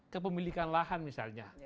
kepemilikan lahan misalnya